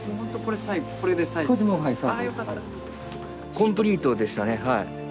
コンプリートでしたねはい。